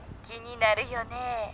「気になるよね」。